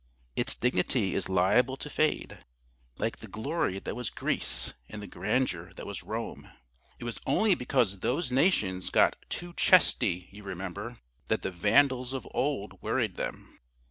Its dignity is liable to fade, like the glory that was Greece and the grandeur that was Rome. It was only because those nations got too chesty, you remember, that the Vandals of old worried them.